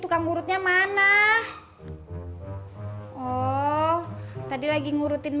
tukang urut nya mau kepang amusingano